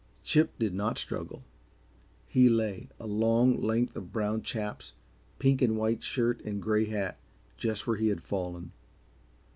Chip did not struggle. He lay, a long length of brown chaps, pink and white shirt and gray hat, just where he had fallen.